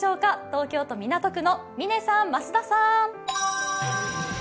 東京都港区の嶺さん、増田さん。